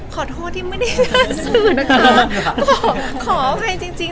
ขอโทษที่ไม่ได้ส่งมือนะคะขอให้จริง